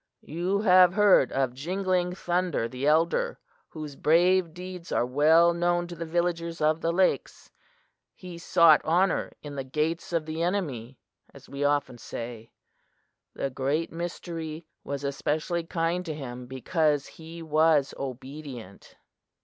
"You have heard of Jingling Thunder the elder, whose brave deeds are well known to the Villagers of the Lakes. He sought honor 'in the gates of the enemy,' as we often say. The Great Mystery was especially kind to him, because he was obedient.